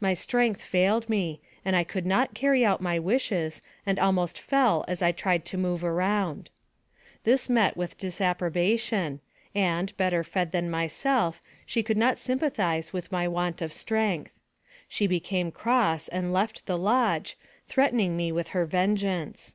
My strength failed me, and I could not carry out my wishes, and almost fell as I tried to move around. This met with disapprobation, and, better fed than myself, she could not sympathize with my want of strength. She became cross, and left the lodge, threat ening me with her vengeance.